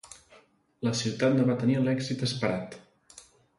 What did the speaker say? La ciutat no va tenir l'èxit esperat.